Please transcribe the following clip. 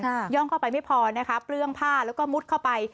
ย่องเข้าไปไม่พอนะคะเปลื้องผ้าแล้วก็มุดเข้าไป